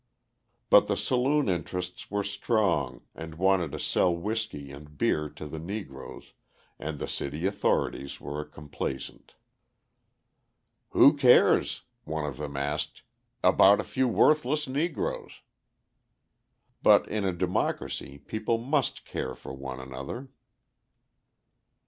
But the saloon interests were strong and wanted to sell whiskey and beer to the Negroes, and the city authorities were complaisant. "Who cares," one of them asked, "about a few worthless Negroes?" But in a democracy people must care for one another.